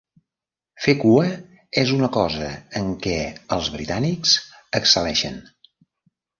Fer cua és una cosa en què els britànics excel·leixen.